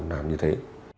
nằm như thế